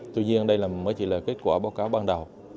tuy nhiên đây mới chỉ là kết quả báo cáo ban đầu